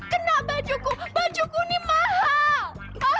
kena bajuku bajuku ini mahal